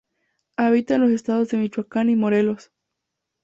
Habita en los estados de Michoacán y Morelos.